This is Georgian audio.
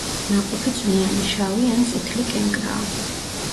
ნაყოფი წვნიანი, შავი ან წითლი კენკრაა.